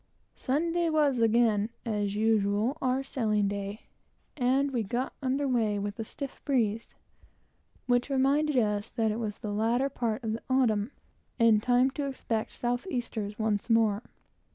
Sunday was again, as usual, our sailing day, and we got under weigh with a stiff breeze, which reminded us that it was the latter part of the autumn, and time to expect south easters once more.